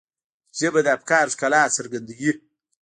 ژبه د افکارو ښکلا څرګندوي